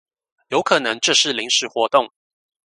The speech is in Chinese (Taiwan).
有可能這是臨時活動